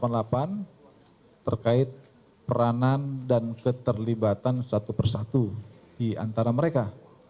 dan terkait peranan dan keterlibatan satu persatu di antara mereka